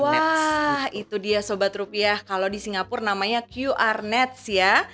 wah itu dia sobat rupiah kalau di singapura namanya qr nets ya